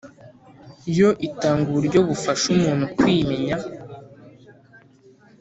yo itanga uburyo bufasha umuntu kwimenya